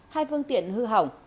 hai phương tiện hư hỏng